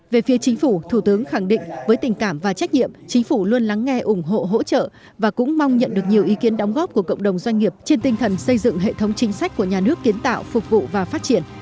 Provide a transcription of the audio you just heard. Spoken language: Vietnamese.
về phía chính phủ thủ tướng khẳng định với tình cảm và trách nhiệm chính phủ luôn lắng nghe ủng hộ hỗ trợ và cũng mong nhận được nhiều ý kiến đóng góp của cộng đồng doanh nghiệp trên tinh thần xây dựng hệ thống chính sách của nhà nước kiến tạo phục vụ và phát triển